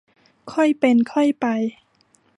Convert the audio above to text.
ค่อยเป็นค่อยไป